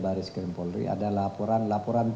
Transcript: baris krim polri ada laporan laporan